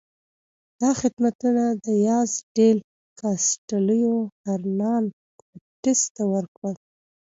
دا خدمتونه دیاز ډیل کاسټیلو هرنان کورټس ته وکړل.